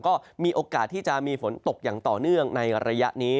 ก็มีโอกาสที่จะมีฝนตกอย่างต่อเนื่องในระยะนี้